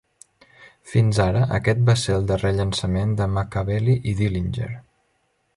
Fins ara, aquest va ser el darrer llançament de Makaveli i Dillinger.